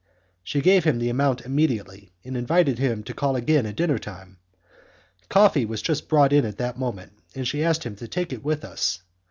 She gave him the amount immediately, and invited him to call again at dinner time. Coffee was just brought in at that moment, and she asked him to take it with us.